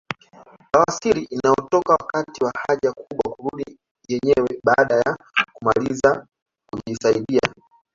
Bawasiri inayotoka wakati wa haja kubwa kurudi yenyewe baada ya kumaliza kujisaidia